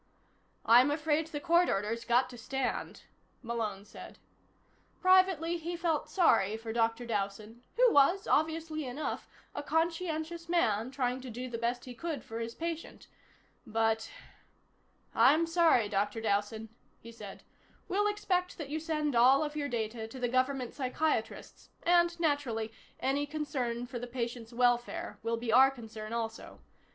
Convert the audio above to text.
"I'm afraid the court order's got to stand," Malone said. Privately, he felt sorry for Dr. Dowson, who was, obviously enough, a conscientious man trying to do the best he could for his patient. But "I'm sorry, Dr. Dowson," he said. "We'll expect that you send all of your data to the government psychiatrists and, naturally, any concern for the patient's welfare will be our concern also.